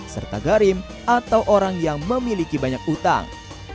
serta garim atau orang yang memiliki banyak utang